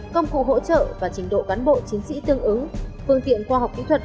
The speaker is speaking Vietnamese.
công cụ hỗ trợ và trình độ cán bộ chiến sĩ tương ứng phương tiện khoa học kỹ thuật